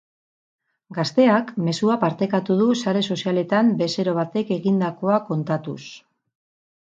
Gazteak mezua partekatu du sare sozialetan bezero batek egindakoa kontatuz.